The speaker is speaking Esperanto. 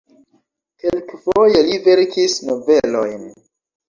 Kelkfoje li verkis novelojn.